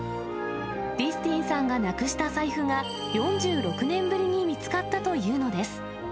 ディスティンさんがなくした財布が、４６年ぶりに見つかったというのです。